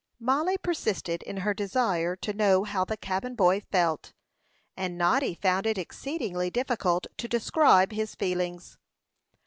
Mollie persisted in her desire to know how the cabin boy felt, and Noddy found it exceedingly difficult to describe his feelings.